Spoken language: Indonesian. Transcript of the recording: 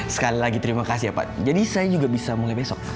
sekali lagi terima kasih ya pak jadi saya juga bisa mulai besok